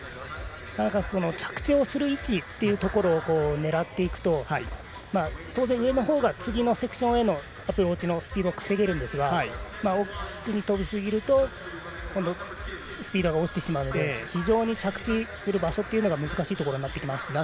着地をする位置というところを狙っていくと当然、上のほうが次のセクションへのアプローチのスピードを稼げるんですが奥にとびすぎると今度はスピードが落ちてしまうので非常に着地する場所が難しくなります。